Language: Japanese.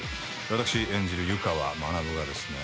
私演じる湯川学がですね